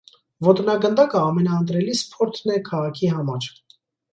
Ոտնագնդակը ամենաընտրելի սփորդն է քաղաքի համար։